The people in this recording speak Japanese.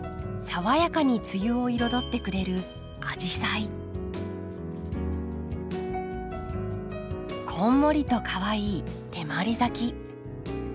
爽やかに梅雨を彩ってくれるこんもりとかわいい手まり咲き。